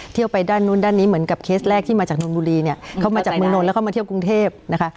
เที่ยวไปด้านนู้นด้านนี้เหมือนกับเคสแรกที่มาจากนนบุรีเนี่ยเข้ามาจากเมืองนนทแล้วเข้ามาเที่ยวกรุงเทพนะคะ